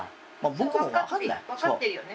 それは分かってるよね。